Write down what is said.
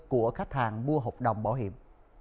của khách hàng mua hộp đồng bảo hiểm